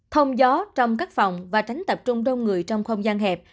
thông gió trong các phòng và tránh tập trung đông người trong không gian hẹp